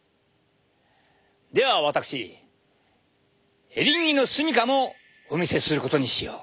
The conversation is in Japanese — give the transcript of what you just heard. では私エリンギの住みかもお見せすることにしよう。